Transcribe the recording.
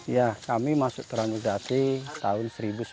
ya kami masuk transnugdati tahun seribu sembilan ratus sembilan puluh